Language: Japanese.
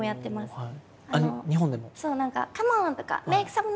日本でも？